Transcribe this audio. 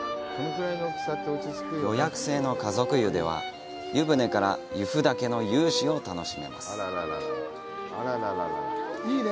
予約制の家族湯では湯船から由布岳の雄姿を楽しめます。